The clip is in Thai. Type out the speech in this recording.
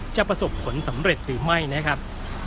จะประสบผลสำเร็จหรือไม่นะครับ